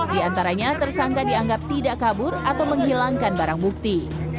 di antaranya tersangka dianggap tidak kabur atau menghilangkan barang bukti